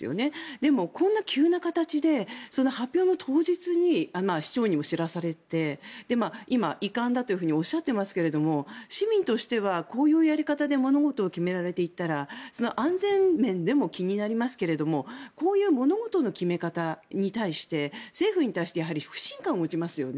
でも、こんな急な形で発表の当日に市長にも知らされて今、遺憾だとおっしゃっていますが市民としてはこういうやり方で物事を決められていったら安全面でも気になりますけどもこういう物事の決め方に対して政府に対してやはり不信感を持ちますよね。